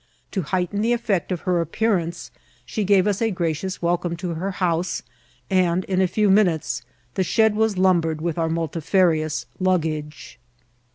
To heighten the effect of ha appearance, she gave us a gracious welcome to her house, and in a few minutes the shed was lumbered with our multifarious luggage.